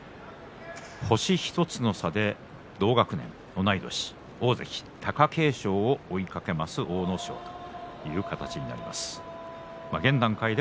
星１つの差で同学年同い年大関貴景勝を追いかけます阿武咲です。